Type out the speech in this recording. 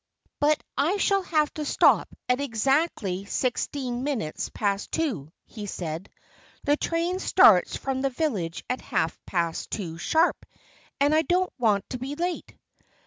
"But I shall have to stop at exactly sixteen minutes past two," he said. "The train starts from the village at half past two sharp; and I don't want to be late."